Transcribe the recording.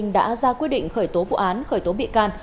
đã ra quyết định khởi tố vụ án khởi tố bị can